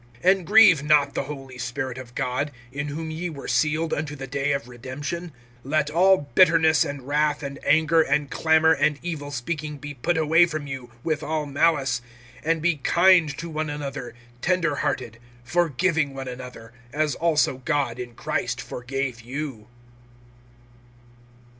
(30)And grieve not the Holy Spirit of God, in whom ye were sealed unto the day of redemption. (31)Let all bitterness, and wrath, and anger, and clamor, and evil speaking, be put away from you, with all malice; (32)and be kind to one another, tender hearted, forgiving one another, as also God in Christ forgave you.